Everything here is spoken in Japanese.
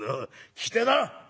聞きてえな？